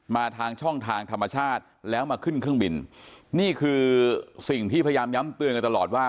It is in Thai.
มาทางช่องทางธรรมชาติแล้วมาขึ้นเครื่องบินนี่คือสิ่งที่พยายามย้ำเตือนกันตลอดว่า